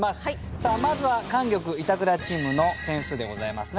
さあまずは莟玉・板倉チームの点数でございますね。